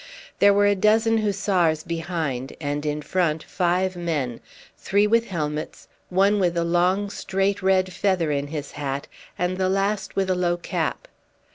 There were a dozen Hussars behind, and in front five men, three with helmets, one with a long straight red feather in his hat, and the last with a low cap.